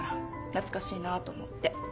懐かしいなぁと思って。